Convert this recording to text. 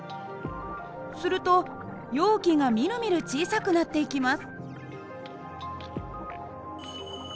すると容器がみるみる小さくなっていきます。